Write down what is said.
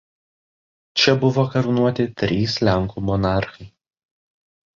Čia buvo karūnuoti trys lenkų monarchai.